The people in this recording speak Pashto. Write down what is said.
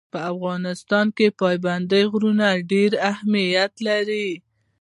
په افغانستان کې پابندی غرونه ډېر اهمیت لري.